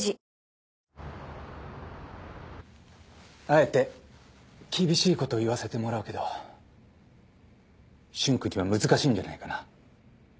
あえて厳しいことを言わせてもらうけど瞬君には難しいんじゃないかな？